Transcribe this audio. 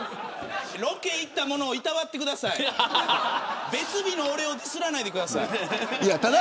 ロケ行った者をいたわってください別日の俺をディスらないでください。